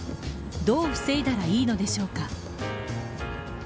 どう防いだらいいのでしょうか。